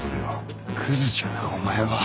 クズじゃなお前は。